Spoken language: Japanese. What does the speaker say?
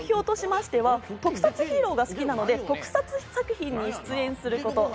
今後の目標としましては、特撮ヒーローが好きなので特撮作品に出演すること。